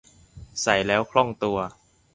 ใส่แล้วคล่องตัว